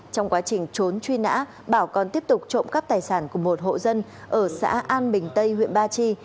trong quá trình trốn truy nã bảo còn tiếp tục trộm cắp tài sản của một hộ dân ở xã an bình tây huyện ba chi